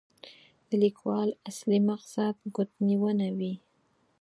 د لیکوال اصلي مقصد ګوتنیونه وي.